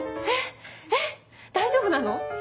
えっえっ大丈夫なの？